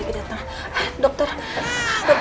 sakit ya sayang ya dokter semoga berjaya